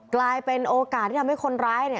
กลายเป็นโอกาสที่ทำให้คนร้ายเนี่ย